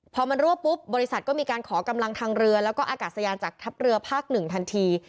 พอมันรั่วปุ๊บบริษัทก็มีการขอกำลังทางเรือแล้วก็อากาศยานจากทัพเรือภาคหนึ่งทันที